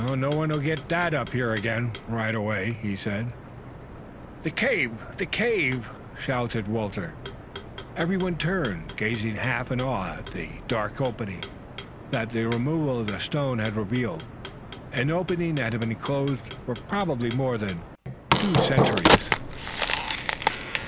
"No one will get that up here again, right away," he said. "The cave, the cave!" shouted Walter. Everyone turned, gazing half in awe at the dark opening that the removal of the stone had revealed an opening that had been closed for probably more than two centuries.